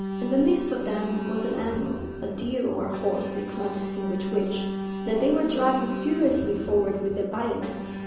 In the midst of them was an animal—a deer or a horse, they could not distinguish which—that they were driving furiously forward with their bayonets.